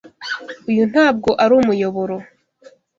Uyu ntabwo ari umuyoboro.